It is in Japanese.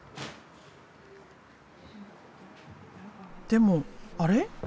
でもあれ？